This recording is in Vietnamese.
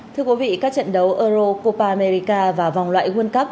thưa quý vị các trận đấu euro copa america và vòng loại world cup